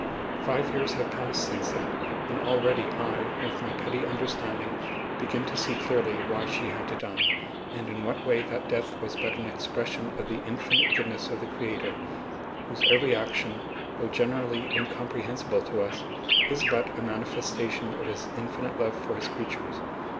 Five years have passed since then, and already I, with my petty understanding, begin to see clearly why she had to die, and in what way that death was but an expression of the infinite goodness of the Creator, whose every action, though generally incomprehensible to us, is but a manifestation of His infinite love for His creatures.